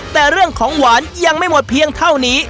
แต่เรื่องของหวานยังไม่หมดเพียงเท่านี้